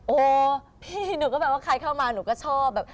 โอ้พี่หนูก็แบบว่าใครเข้ามาหนูก็ชอบแบบ